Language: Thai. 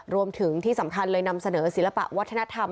รวมถึงที่สำคัญเลยนำเสนอศิลปะวัฒนธรรม